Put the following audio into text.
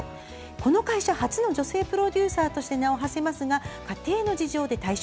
この会社初の女性プロデューサーとして名を馳せますが家庭の事情で退職。